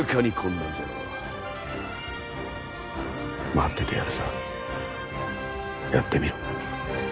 待っててやるさやってみろ。